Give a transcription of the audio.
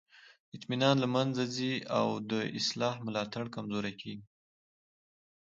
اطمینان له منځه ځي او د اصلاح ملاتړ کمزوری کیږي.